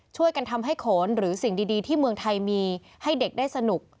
ช่วยกันทำให้โขนหรือสิ่งดีที่เมืองไทยมีให้เด็กได้สนุก